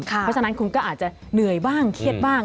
เพราะฉะนั้นคุณก็อาจจะเหนื่อยบ้างเครียดบ้าง